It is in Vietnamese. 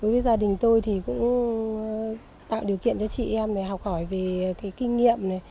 với gia đình tôi thì cũng tạo điều kiện cho chị em học hỏi về cái kinh nghiệm